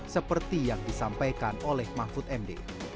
seperti yang disampaikan oleh mahfud md